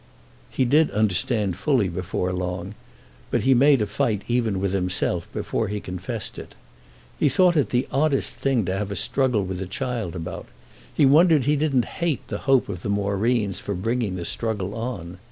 He did understand fully before long, but he made a fight even with himself before he confessed it. He thought it the oddest thing to have a struggle with the child about. He wondered he didn't hate the hope of the Moreens for bringing the struggle on.